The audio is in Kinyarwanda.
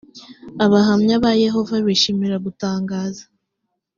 abahamya ba yehova bishimira gutangaza